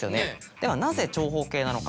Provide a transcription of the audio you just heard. ではなぜ長方形なのか？